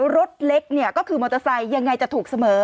รถเล็กเนี่ยก็คือมอเตอร์ไซค์ยังไงจะถูกเสมอ